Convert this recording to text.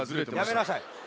やめなさい。